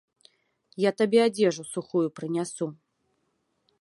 Я табе адзежу сухую прынясу.